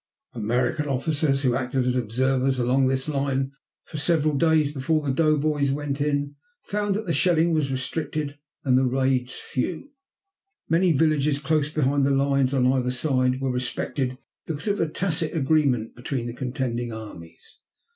American officers who acted as observers along this line for several days before the doughboys went in found that shelling was restricted and raids few. Many villages close behind the lines on either side were respected because of a tacit agreement between the contending armies.